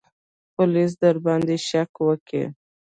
پوليس به درباندې شک وکي.